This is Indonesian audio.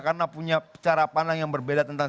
karena punya cara pandang yang berbeda tentang